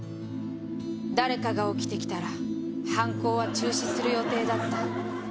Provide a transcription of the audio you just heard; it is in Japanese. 「誰かが起きてきたら犯行は中止する予定だった」